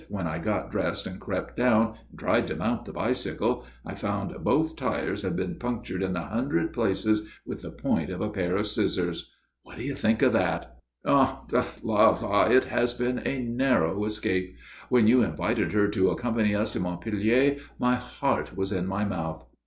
When I had dressed and crept down, and tried to mount the bicycle, I found both tyres had been punctured in a hundred places with the point of a pair of scissors. What do you think of that, eh? Ah, là, là! it has been a narrow escape. When you invited her to accompany us to Montpellier my heart was in my mouth."